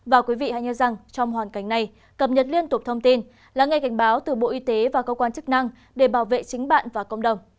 và quý vị hãy nhớ rằng trong hoàn cảnh này cập nhật liên tục thông tin lắng nghe cảnh báo từ bộ y tế và cơ quan chức năng để bảo vệ chính bạn và cộng đồng